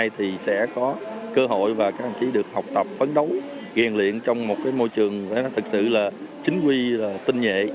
thì sẽ có cơ hội và các đồng chí được học tập phấn đấu ghiền liện trong một môi trường thật sự là chính quy tinh nhệ